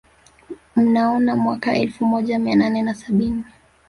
Mnaono mwaka elfu moja mia nane na sabini